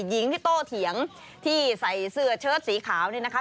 หญิงที่โตเถียงที่ใส่เสื้อเชิดสีขาวนี่นะคะ